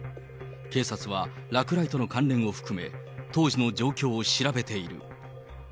警察は落雷との関連を含め、当時の状況を調べている。